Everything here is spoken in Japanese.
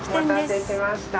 お待たせしました。